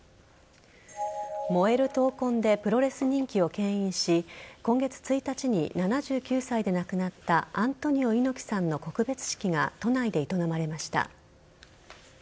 燃える闘魂でプロレス人気をけん引し今月１日に７９歳で亡くなったアントニオ猪木さんの告別式が都内で営まれました。